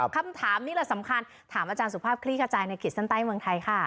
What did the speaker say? คำถามนี้แหละสำคัญถามอาจารย์สุภาพคลี่ขจายในขีดเส้นใต้เมืองไทยค่ะ